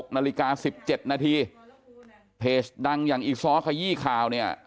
นาฬิกา๑๗นาทีเพจดังอย่างอีซ้อขยี้ข่าวเนี่ย